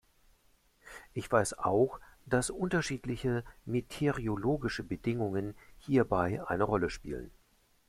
Ich weiß auch, dass unterschiedliche meteorologische Bedingungen hierbei eine Rolle spielen.